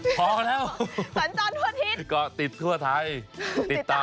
ห่า